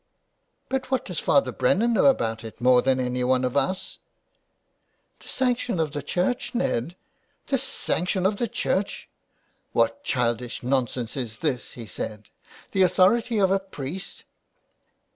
" But what does Father Brennan know about it more than anyone of us ?"" The sanction of the Church, Ned "" The sanction of the Church ! What childish nonsense is this ?" he said. '' The authority of a priest.